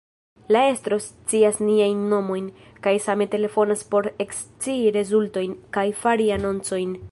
La estro scias niajn nomojn, kaj same telefonas por ekscii rezultojn, kaj fari anoncojn.